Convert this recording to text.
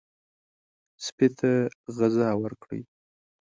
سپي ته غذا ورکړئ.